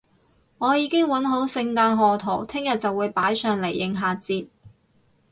我已經搵好聖誕賀圖，聽日就會擺上嚟應下節